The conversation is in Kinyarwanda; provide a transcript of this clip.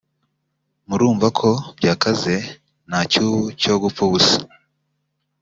murumva ko byakaze nta cyubu cyo gupfa ubusa